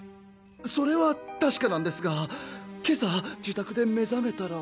それは確かなんですが今朝自宅で目覚めたら。